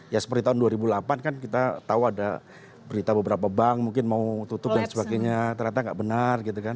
ya seperti tahun dua ribu delapan kan kita tahu ada berita beberapa bank mungkin mau tutup dan sebagainya ternyata nggak benar gitu kan